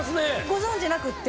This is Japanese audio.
ご存じなくって？